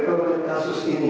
kalau ada kasus ini